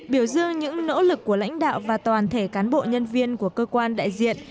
biểu dương những nỗ lực của lãnh đạo và toàn thể cán bộ nhân viên của cơ quan đại diện